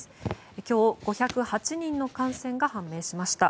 今日、５０８人の感染が判明しました。